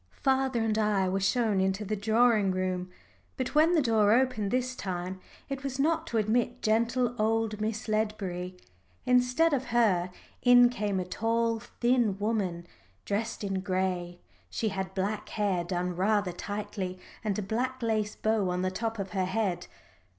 Father and I were shown into the drawing room. But when the door opened this time, it was not to admit gentle old Miss Ledbury. Instead of her in came a tall, thin woman, dressed in gray she had black hair done rather tightly, and a black lace bow on the top of her head.